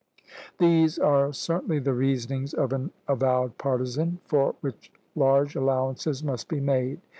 " These are certainly the reasonings of an avowed partisan, for which large allowances must be made.